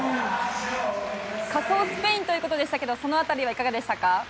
仮想スペインということでしたけどその辺りはいかがでしたか？